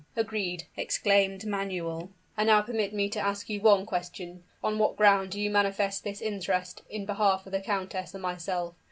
"Agreed!" exclaimed Manuel; "and now permit me to ask you one question: On what ground do you manifest this interest in behalf of the countess and myself?